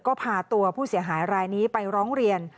ก็พาตัวผู้เสียหายรายนี้ไปร้องเรียน